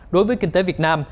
đối với kinh tế việt nam